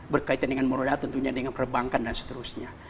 berkaitan dengan modal tentunya dengan perbankan dan seterusnya